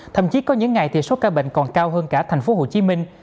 thậm chí có những ngày thì số ca bệnh còn cao hơn cả thành phố hồ chí minh